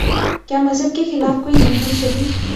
کیا مذہب کے خلاف کوئی مہم چلی؟